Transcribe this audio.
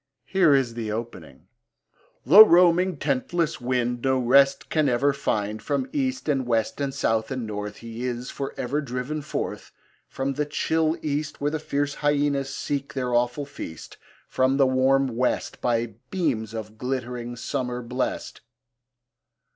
Here is the opening: The roaming, tentless wind No rest can ever find From east, and west, and south, and north He is for ever driven forth! From the chill east Where fierce hyaenas seek their awful feast: From the warm west, By beams of glitt'ring summer blest.